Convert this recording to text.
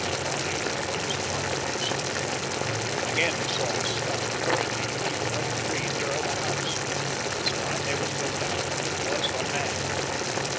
Barney looked toward the spot where he had seen the shadow. Again he saw it scuttle hurriedly beneath another tree nearer the house. This time there was no doubt. It was a man!